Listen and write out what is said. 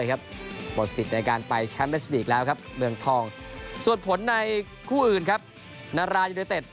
หมดสิทธิ์ในการไปแชมป์เหลืออีกแล้วครับ